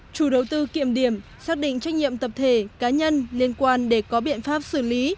chủ đầu tư kiểm điểm xác định trách nhiệm tập thể cá nhân liên quan để có biện pháp xử lý